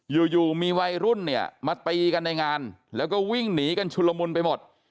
อยู่อยู่มีวัยรุ่นเนี่ยมาตีกันในงานแล้วก็วิ่งหนีกันชุลมุนไปหมด